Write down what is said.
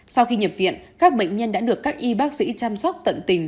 sau khi nhập viện các bệnh nhân đã được các y bác sĩ chăm sóc tận tình